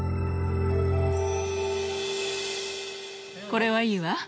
これはいいわ。